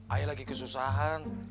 ayah lagi kesusahan